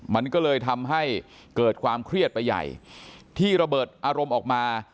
มันก็เลยทำให้เกิดความเครียดไปใหญ่ที่ระเบิดอารมณ์ออกมา